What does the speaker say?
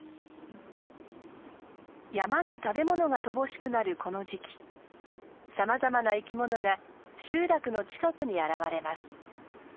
山に食べ物が乏しくなるこの時期さまざまな生きものが集落の近くに現れます。